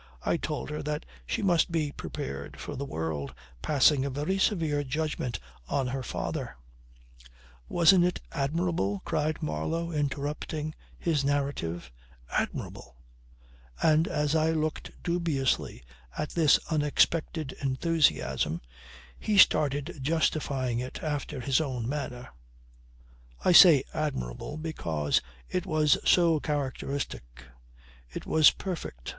I told her that she must be prepared for the world passing a very severe judgment on her father ...""Wasn't it admirable," cried Marlow interrupting his narrative. "Admirable!" And as I looked dubiously at this unexpected enthusiasm he started justifying it after his own manner. "I say admirable because it was so characteristic. It was perfect.